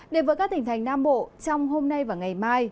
đề vợ các tỉnh thành nam bộ trong hôm nay và ngày mai